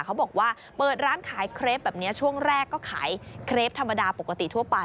เขาบอกว่าเปิดร้านขายเครปแบบนี้ช่วงแรกก็ขายเครปธรรมดาปกติทั่วไป